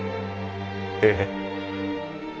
ええ。